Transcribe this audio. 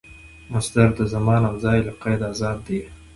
مصدر د زمان او ځای له قیده آزاد يي.